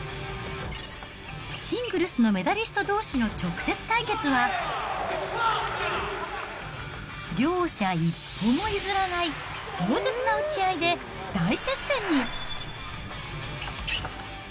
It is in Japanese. シングルスのメダリストどうしの直接対決は、両者一歩も譲らない壮絶な打ち合いで大接戦に。